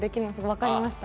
分かりました。